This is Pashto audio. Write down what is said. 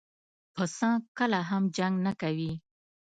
پسه کله هم جنګ نه کوي.